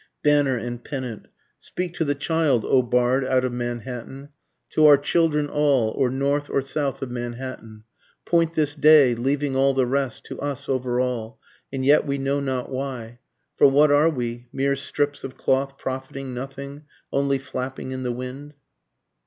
Banner and Pennant. Speak to the child O bard out of Manhattan, To our children all, or north or south of Manhattan, Point this day, leaving all the rest, to us over all and yet we know not why, For what are we, mere strips of cloth profiting nothing, Only flapping in the wind?